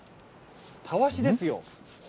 たわしですよ。